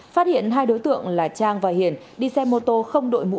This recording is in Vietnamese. phát hiện hai đối tượng là trang và hiền đi xe mô tô không đội mũ